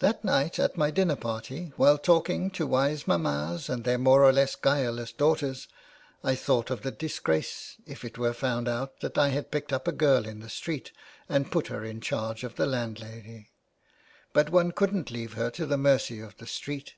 That night at my dinner party, while talking to wise mammas and their more or less guileless daughters, I thought of the disgrace if it were found out that I had picked up a girl in the street and put her in charge of the landlady." " But one couldn't leave her to the mercy of the street."